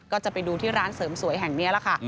จะไปดูที่ร้านเสริมสวยแห่งนี้แหละค่ะ